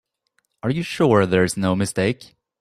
Are you sure there's no mistake?